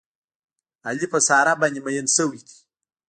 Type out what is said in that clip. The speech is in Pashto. علي په ساره باندې مین شوی دی.